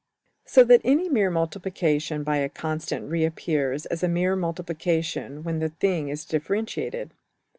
So that any mere multiplication by a constant reappears as a mere multiplication when the thing is differentiated.